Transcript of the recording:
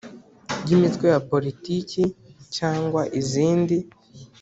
Y imitwe ya politiki cyangwa izindi